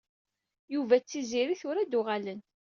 Yuba d Tiziri tura ad uɣalen.